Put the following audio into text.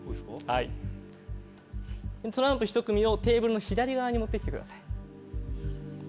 トランプひと組をテーブルの左側に持って来てください。